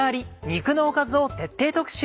肉のおかず」を徹底特集。